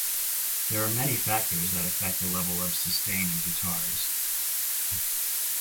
There are many factors that affect the level of sustain in guitars.